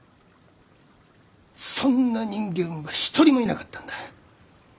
そんな人間は一人もいなかったんだ。